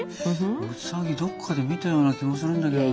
ウサギどっかで見たような気もするんだけどな。